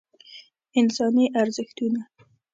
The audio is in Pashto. انساني ارزښتونه